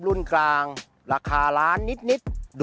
กลางราคาล้านนิด